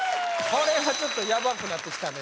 これはちょっとヤバくなってきたね